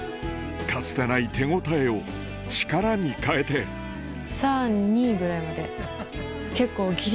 かつてない手応えを力に変えて３・２ぐらいまで結構ギリギリまで。